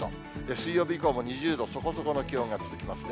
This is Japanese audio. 水曜日以降も２０度そこそこの気温が続きますね。